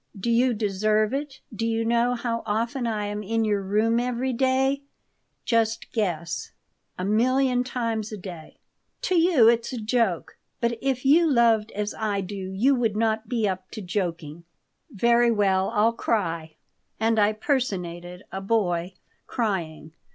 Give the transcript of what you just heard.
"Do you deserve it? Do you know how often I am in your room every day? Just guess." "A million times a day." "To you it's a joke. But if you loved as I do you would not be up to joking." "Very well, I'll cry." And I personated a boy crying.